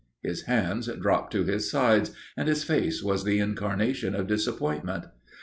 His hands dropped to his sides and his face was the incarnation of disappointment.